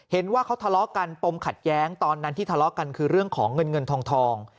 เห็นว่าเขาทะเลาะกันปมขัดแย้งตอนนั้นที่ทะเลาะกันคือเรื่องของเงินเงินทอง